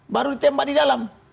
baru ditembak di dalam